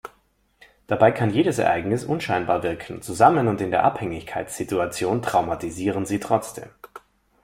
Dabei kann jedes Ereignis unscheinbar wirken, zusammen und in der Abhängigkeitssituation traumatisieren sie trotzdem.